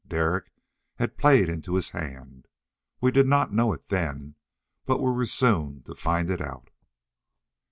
Derek had played into his hand. We did not know it then, but we were soon to find it out.